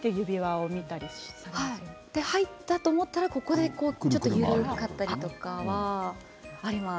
入ったと思ったらここでちょっと緩かったりとかはあります。